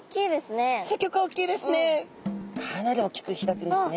かなり大きく開くんですね。